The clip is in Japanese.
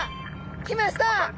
きました！